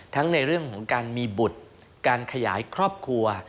ในเรื่องของการมีบุตรการขยายครอบครัว